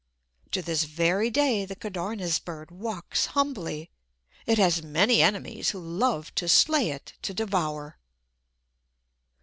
To this very day the Codorniz bird walks humbly. It has many enemies who love to slay it to devour.